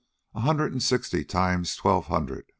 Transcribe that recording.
A hundred and sixty times twelve hundred...